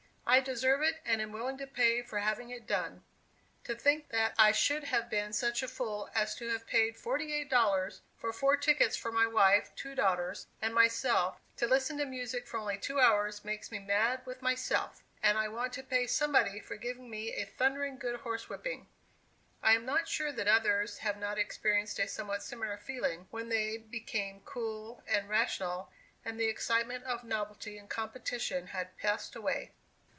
I deserve it, and am willing to pay for having it done. To think that I should have been such a fool as to have paid forty eight dollars for four tickets for my wife, two daughters, and myself, to listen to music for only two hours, makes me mad with myself, and I want to pay somebody for giving me a thundering good horse whipping!" I am not sure that others have not experienced a somewhat similar feeling, when they became cool and rational, and the excitement of novelty and competition had passed away.